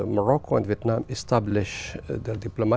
cũng như liên hệ kinh tế và văn hóa